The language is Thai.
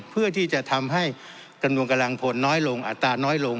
เพื่อที่จะทำให้จำนวนกำลังผลน้อยลงอัตราน้อยลง